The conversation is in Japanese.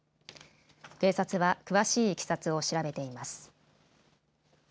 警察は詳しいいきさつを調べています。